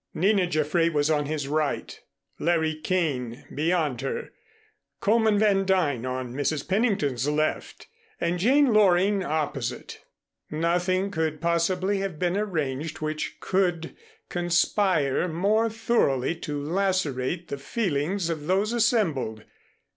Nina Jaffray was on his right, Larry Kane beyond her, Coleman Van Duyn on Mrs. Pennington's left and Jane Loring opposite. Nothing could possibly have been arranged which could conspire more thoroughly to lacerate the feelings of those assembled.